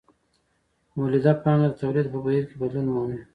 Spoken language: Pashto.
مولده پانګه د تولید په بهیر کې بدلون مومي